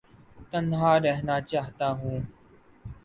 تنہا رہنا چاہتا ہوں